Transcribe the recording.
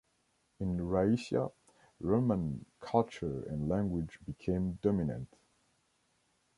In Raetia, Roman culture and language became dominant.